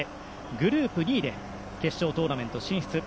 グループ２位で決勝トーナメント進出。